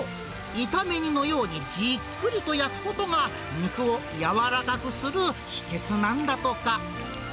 炒め煮のようにじっくりと焼くことが、肉を柔らかくする秘けつなんだとか。